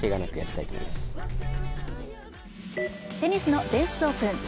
テニスの全仏オープン。